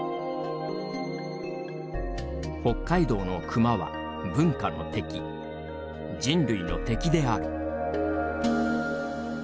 北海道の熊は文化の敵人類の敵である」